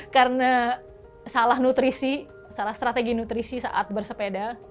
karena salah nutrisi salah strategi nutrisi saat bersepeda